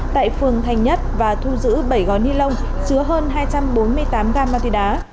tại phường thành nhất và thu giữ bảy gói ni lông chứa hơn hai trăm bốn mươi tám gam ma túy đá